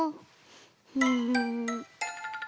うん。